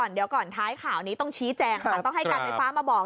เดี๋ยวก่อนท้ายข่าวนี้ต้องชี้แจงค่ะต้องให้การไฟฟ้ามาบอก